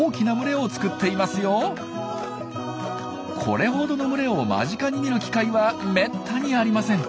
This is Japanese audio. これほどの群れを間近に見る機会はめったにありません。